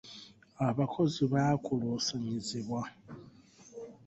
Abakozi baakulusanyizibwa.